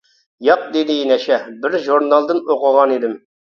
-ياق، -دېدى نەشە، -بىر ژۇرنالدىن ئوقۇغانىدىم.